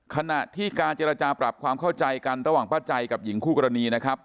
ขณะที่การเจรจาปรับความเข้าใจกันระหว่างป้าใจกับหญิงคู่กรณีนะครับ